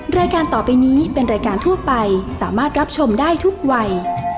รายการต่อไปนี้เป็นรายการทั่วไปสามารถรับชมได้ทุกวัย